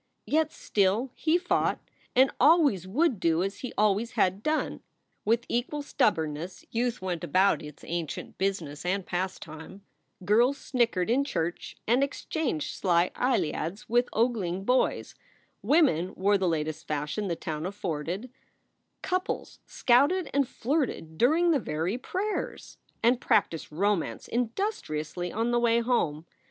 Yet still he fought, and always would do as he always had done. With equal stubbornness youth went about its ancient business and pastime: girls snickered in church and exchanged sly eyeliads with ogling boys; women wore the latest fashion the town afforded; couples scouted and flirted during the very prayers, and practiced romance industriously on the way home.